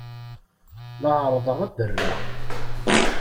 La ɛerrḍeɣ ad ddreɣ.